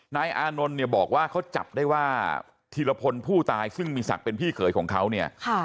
นายอานนท์เนี่ยบอกว่าเขาจับได้ว่าธีรพลผู้ตายซึ่งมีศักดิ์เป็นพี่เขยของเขาเนี่ย